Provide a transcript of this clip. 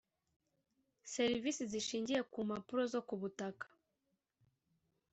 serivisi zishingiye ku mpapuro zo butaka